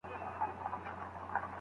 که استاد په ارامه املا ووایي.